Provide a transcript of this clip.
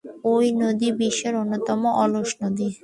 এই নদী বিশ্বের অন্যতম অলস নদী।